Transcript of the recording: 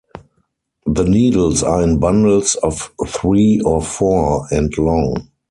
The needles are in bundles of three or four, and long.